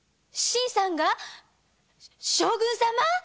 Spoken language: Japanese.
新さんが将軍様！？